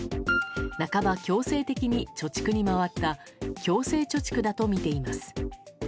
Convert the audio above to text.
半ば強制的に貯蓄に回った強制貯蓄だとみています。